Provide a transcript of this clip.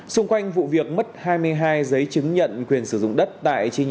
xung quanh vụ việc mất hai mươi hai giấy chứng nhận quyền sử dụng đất tại chi nhánh